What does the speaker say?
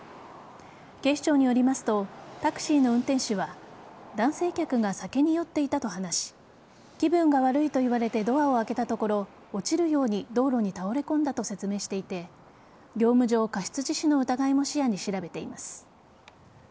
警視庁によりますとタクシーの運転手は男性客が酒に酔っていたと話し気分が悪いと言われてドアを開けたところ落ちるように道路に倒れ込んだと説明していて業務上過失致死の疑いも視野に調べています。